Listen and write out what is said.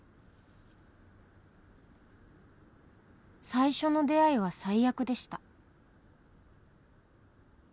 「最初の出会いは最悪でした」